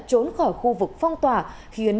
trốn khỏi khu vực phong tỏa khiến